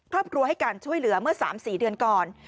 ครอบครัวให้การช่วยเหลือเมื่อ๓๔เดือนก่อน